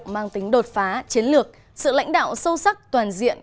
mang tính đột phá chiến lược sự lãnh đạo sâu sắc toàn diện